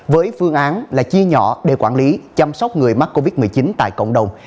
với phương án là chia nhỏ để quản lý chăm sóc người mắc covid một mươi chín tại cộng đồng